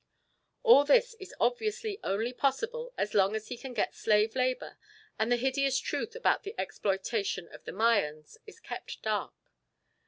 All this is obviously only possible as long as he can get slave labour and the hideous truth about the exploitation of the Mayans is kept dark.